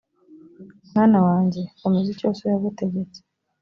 mwana wanjye komeza icyo so yagutegetse